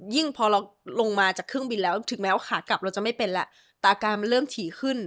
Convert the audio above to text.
พอเราลงมาจากเครื่องบินแล้วถึงแม้ว่าขากลับเราจะไม่เป็นแล้วตาการมันเริ่มถี่ขึ้น